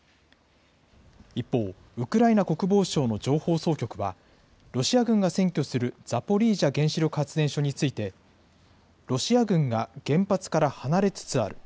一方、ウクライナ国防省の情報総局は、ロシア軍が占拠するザポリージャ原子力発電所について、ロシア軍が原発から離れつつある。